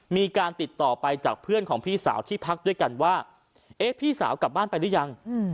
มีการติดต่อไปจากเพื่อนของพี่สาวที่พักด้วยกันว่าเอ๊ะพี่สาวกลับบ้านไปหรือยัง